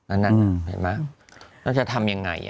อันนั้นนะเห็นไหมเราจะทำยังไง